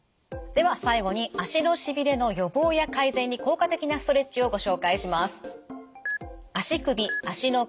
では最後に足のしびれの予防や改善に効果的なストレッチをご紹介します。